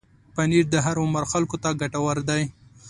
پنېر د هر عمر خلکو ته ګټور دی.